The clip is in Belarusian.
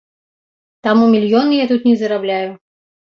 Таму мільёны я тут не зараблю.